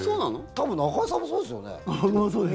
多分中居さんもそうですよね？